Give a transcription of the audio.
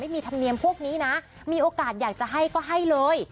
มีธรรมเนียมพวกนี้นะมีโอกาสอยากจะให้ก็ให้เลย